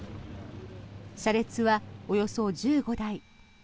車列はおよそ１５台。